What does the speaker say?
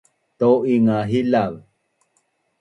tau’ing nga hilav!